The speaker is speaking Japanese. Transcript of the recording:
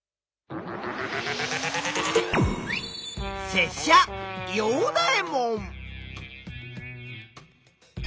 せっしゃヨウダエモン！